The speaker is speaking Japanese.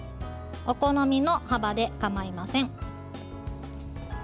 お好みの幅でかまいません。